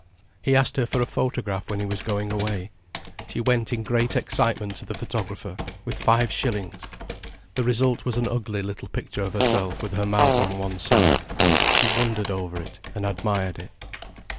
He asked her for a photograph when he was going away. She went in great excitement to the photographer, with five shillings. The result was an ugly little picture of herself with her mouth on one side. She wondered over it and admired it.